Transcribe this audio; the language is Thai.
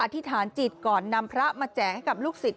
ธิษฐานจิตก่อนนำพระมาแจกให้กับลูกศิษย